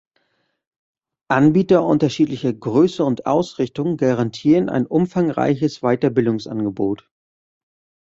Anbieter unterschiedlicher Grösse und Ausrichtung garantieren ein umfangreiches Weiterbildungsangebot.